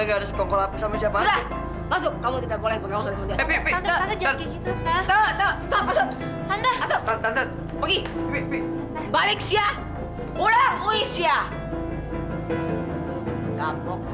balik sia pulang ui sia